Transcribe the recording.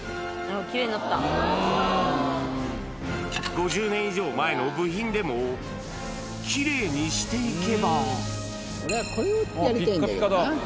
５０年以上前の部品でも、きれいにしていけば。